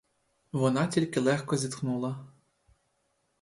Вона тільки легко зітхнула.